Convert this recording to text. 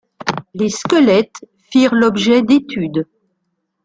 Les squelettes firent l'objet d'études.